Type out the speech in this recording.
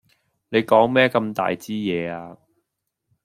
你講咩咁大枝野呀？